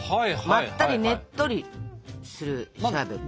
まったりねっとりするシャーベット。